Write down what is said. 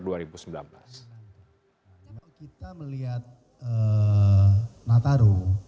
kalau kita melihat natal